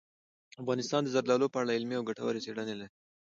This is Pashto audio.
افغانستان د زردالو په اړه علمي او ګټورې څېړنې لري.